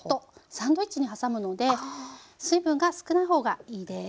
サンドイッチに挟むので水分が少ない方がいいです。